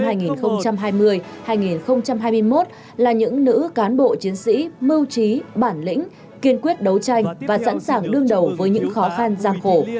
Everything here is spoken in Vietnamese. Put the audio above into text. phụ nữ công an tiêu biểu năm hai nghìn hai mươi hai nghìn hai mươi một là những nữ cán bộ chiến sĩ mưu trí bản lĩnh kiên quyết đấu tranh và sẵn sàng đương đầu với những khó khăn gian khổ